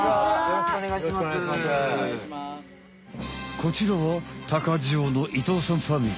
こちらは鷹匠の伊藤さんファミリー。